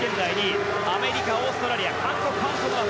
アメリカオーストラリアです。